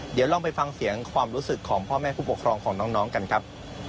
เดี๋ยวลองไปฟังเสียงความรู้สึกของพ่อแม่ผู้ปกครองของน้องกันครับ